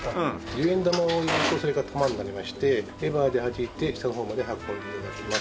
１０円玉を入れるとそれが玉になりましてレバーで弾いて下の方まで運んで頂きます。